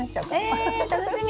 え楽しみ！